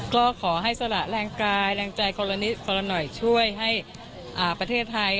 ก็ขอให้สละ๘พันธุ์ร่างกาย